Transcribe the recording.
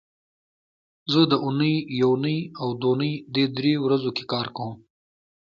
زه د اونۍ یونۍ او دونۍ دې درې ورځو کې کار کوم